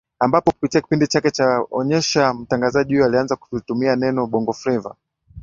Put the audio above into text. ambapo kupitia kipindi chake cha onyesha mtangazaji huyo alianza kulitumia neno Bongo Fleva